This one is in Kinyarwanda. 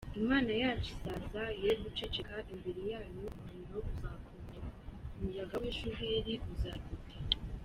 Imana yacu izaza ye guceceka, Imbere yayo umuriro uzakongora, Umuyaga w’ishuheri uzayigota.